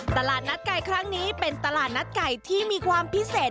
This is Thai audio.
ตลาดนัดไก่ครั้งนี้เป็นตลาดนัดไก่ที่มีความพิเศษ